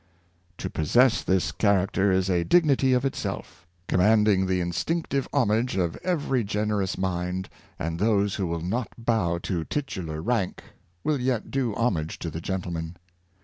To possess this character is a dignity of it self, commanding the instinctive homage of every gen erous mind, and those who will not bow to titular rank, will yet do homage to the gentleman.